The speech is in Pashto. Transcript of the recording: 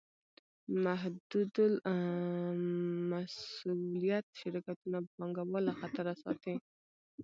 محدودالمسوولیت شرکتونه پانګهوال له خطره ساتي.